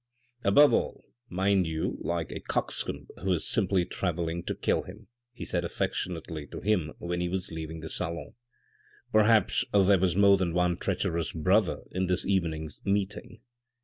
" Above all, mind you look like a coxcomb who is simply travelling to kill time," he said affectionately to him when he was leaving the salon. " Perhaps there was more than one treacherous brother in this evening's meeting."